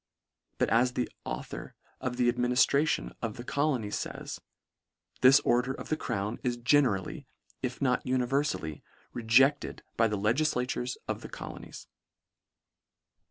But as the author of the administration of the colonies fays, " this '' order of the crown is generally, if not '' univerfally, rejected by the legiflatures of *' the colonies."